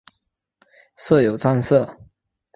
设有站舍。